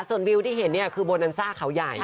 ส่วนวิวที่เห็นเนี่ยคือโบนันซ่าเขาใหญ่